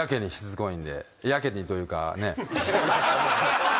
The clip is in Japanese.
やけにというかねっ。